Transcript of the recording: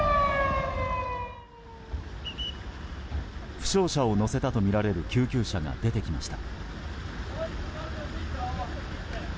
負傷者を乗せたとみられる救急車が出てきました。